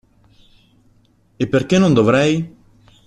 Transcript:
E perché non dovrei?